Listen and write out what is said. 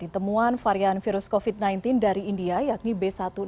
temuan varian virus covid sembilan belas dari india yakni b satu enam ratus